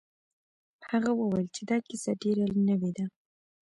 هغه وویل چې دا کیسه ډیره نوې ده.